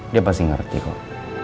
dia pasti ngerti kok